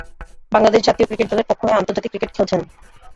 বাংলাদেশ জাতীয় ক্রিকেট দলের পক্ষ হয়ে আন্তর্জাতিক ক্রিকেট খেলছেন।